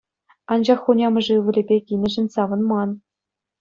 Анчах хунямӑшӗ ывӑлӗпе кинӗшӗн савӑнман.